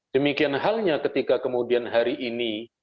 demikian halnya ketika kemudian hari ini